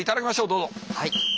どうぞ。